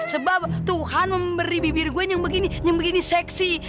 sebab tuhan memberi bibir gue yang begini yang begini seksi